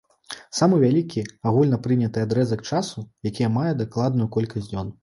Самы вялікі агульнапрыняты адрэзак часу, які мае дакладную колькасць дзён.